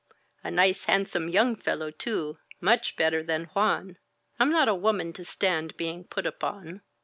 A nice handsome young fellow, too, — much better than Juan. I'm not a woman to stand being put upon.